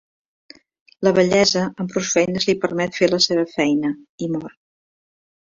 La vellesa amb prou feines li permet fer la seva feina, i mor.